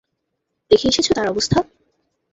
দেখে এসেছো তার অবস্থা?